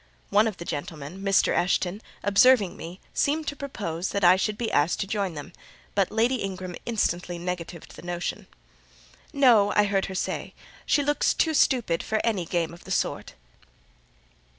One of the gentlemen, Mr. Eshton, observing me, seemed to propose that I should be asked to join them; but Lady Ingram instantly negatived the notion. "No," I heard her say: "she looks too stupid for any game of the sort."